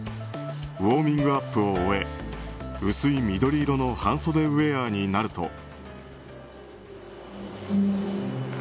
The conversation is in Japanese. ウォーミングアップを終え薄い緑色の半袖ウェアになると。